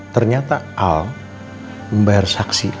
ternyata al membayar saksi